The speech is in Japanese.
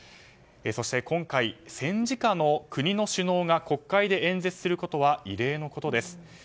そして今回、戦時下の国の首脳が国会で演説することは異例のことです。